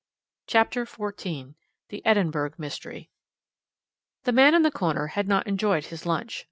CHAPTER XIV THE EDINBURGH MYSTERY The man in the corner had not enjoyed his lunch.